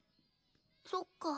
そっか。